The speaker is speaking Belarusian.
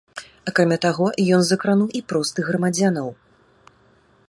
Акрамя таго, ён закрануў і простых грамадзянаў.